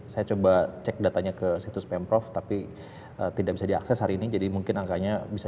saya coba cek datanya ke situs pemprov tapi tidak bisa diakses hari ini jadi mungkin angkanya bisa